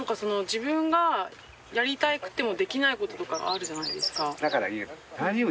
自分がやりたくてもできないこととかがあるじゃないですか。